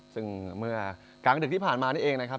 ซึ่งเมื่อกลางดึกที่ผ่านมานี่เองนะครับ